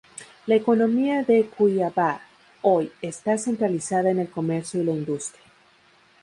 La economía de Cuiabá, hoy, está centralizada en el comercio y la industria.